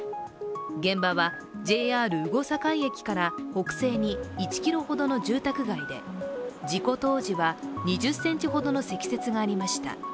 現場はＪＲ羽後境駅から北西に１ｋｍほどの住宅街で事故当時は２０ｃｍほどの積雪がありました。